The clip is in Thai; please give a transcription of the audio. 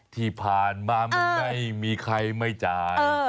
ที่ผ่านมามันไม่มีใครไม่จ่าย